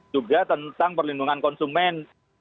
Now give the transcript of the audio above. juga tentang perlindungan konsumen